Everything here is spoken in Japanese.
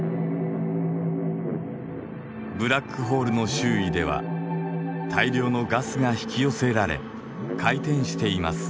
ブラックホールの周囲では大量のガスが引き寄せられ回転しています。